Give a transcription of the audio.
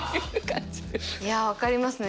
いや分かりますね。